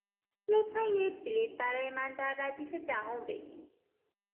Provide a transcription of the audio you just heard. لطفا یک بلیط برای من در ردیف دهم بگیر.